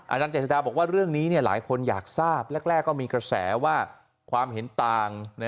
เจษฎาบอกว่าเรื่องนี้หลายคนอยากทราบแรกก็มีกระแสว่าความเห็นต่าง